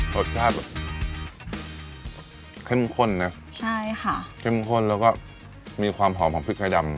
รสชาติแบบเข้มข้นนะใช่ค่ะเข้มข้นแล้วก็มีความหอมของพริกไทยดำ